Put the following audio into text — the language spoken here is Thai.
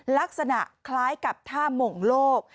ลักษณะคล้ายกับท่าหม่งโลก